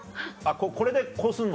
これでこうすんの？